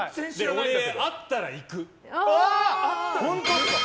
俺、あったら行く。